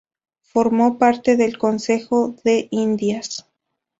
Formó parte del Consejo de Indias.